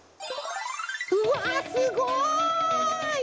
うわすごい！